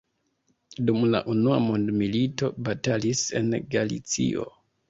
Dum la unua mondmilito batalis en Galicio.